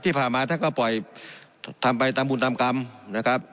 ที่ผ่านมาท่านก็ปล่อยทำไปตามบุญตามกรรมนะครับ